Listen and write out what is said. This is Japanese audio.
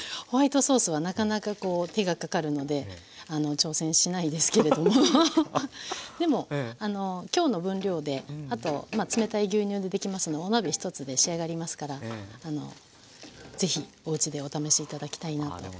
ホワイトソースはなかなかこう手がかかるので挑戦しないですけれどもでも今日の分量であと冷たい牛乳でできますのでお鍋１つで仕上がりますからぜひおうちでお試し頂きたいなと。